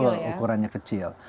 betul ukurannya kecil